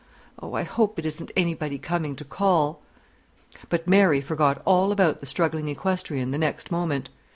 Oh, I hope it isn't anybody coming to call." But Mary forgot all about the struggling equestrian the next moment.